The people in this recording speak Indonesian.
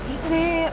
ya yuk yuk yuk